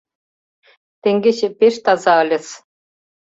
Теҥгече пеш таза ыльыс.